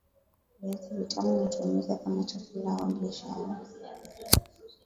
viazi vitamu hutumika kama chakula au biashara